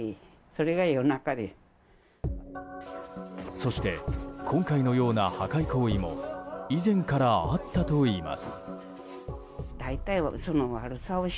そして今回のような破壊行為も以前からあったといいます。